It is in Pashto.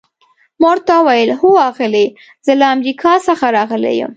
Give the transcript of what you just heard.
ما ورته وویل: هو آغلې، زه له امریکا څخه راغلی یم.